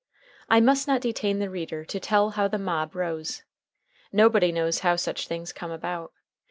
I must not detain the reader to tell how the mob rose. Nobody knows how such things come about.